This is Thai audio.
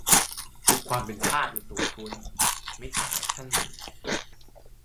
"ปลุกความเป็นทาสในตัวคุณ" - มิตรสหายท่านหนึ่ง